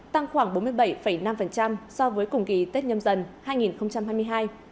tăng khoảng bốn mươi bảy năm so với cùng kỳ tết nhâm dần hai nghìn hai mươi hai